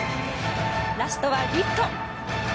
ラストはリフト。